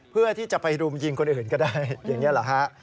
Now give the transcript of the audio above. เพื่อที่จะไปรุมยิงคนอื่นก็ได้อย่างนี้เหรอฮะ